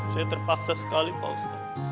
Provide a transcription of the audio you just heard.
saya terpaksa sekali pak ustadz